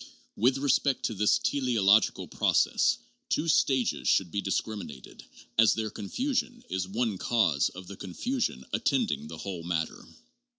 With respect to this teleological process, two stages should be discriminated, as their confusion is one cause of the confusion attending the whole matter.